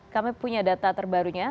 kami punya data terbarunya